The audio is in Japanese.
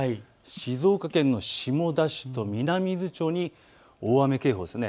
静岡県の下田市と南伊豆町に大雨警報です。